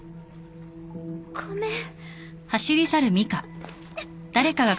ごめん。